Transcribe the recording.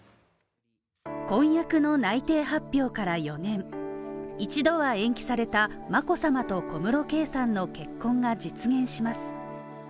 婚約の内定発表から４年、一度は延期された眞子さまと小室圭さんの結婚が実現します。